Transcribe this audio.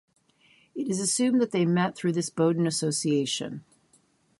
It is assumed that they met through this Bowdoin association.